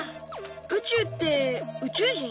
宇宙って宇宙人？